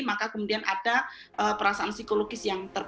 maka kemudian ada perasaan psikologis yang lebih besar